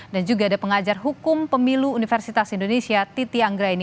dan juga ada pengajar hukum pemilu universitas indonesia titi anggra ini